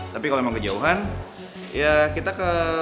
tapi kalo emang kejauhan ya kita ke